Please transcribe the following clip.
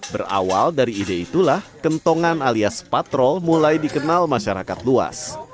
berawal dari ide itulah kentongan alias patrol mulai dikenal masyarakat luas